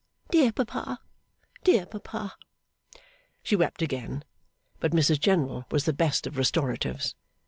Dear papa, dear papa.' She wept again, but Mrs General was the best of restoratives.